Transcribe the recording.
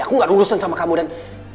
aku gak ada urusan sama kamu dan